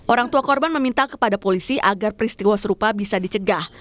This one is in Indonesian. orang tua korban meminta kepada polisi agar peristiwa serupa bisa dicegah